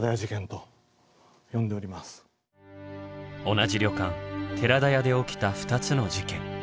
同じ旅館寺田屋で起きた２つの事件。